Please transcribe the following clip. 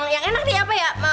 yang enak nih apa ya